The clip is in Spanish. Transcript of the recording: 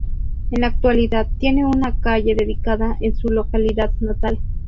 En la actualidad tiene una calle dedicada en su localidad natal.